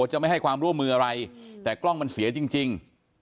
จะไม่ให้ความร่วมมืออะไรแต่กล้องมันเสียจริง